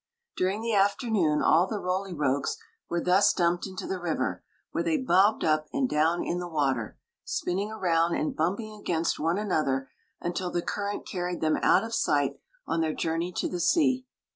During the afternoon all the R.oly Rogues were thus dumped into the river, where they bobbed up and down in the water, spinning around and bump ing against one another until the current carried them out of sight on their journey to the sea.